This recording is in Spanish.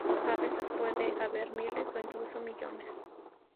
A veces puede haber miles o incluso millones.